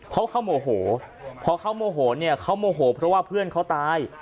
เพราะเขาโมโหเพราะเพื่อนเขาตาย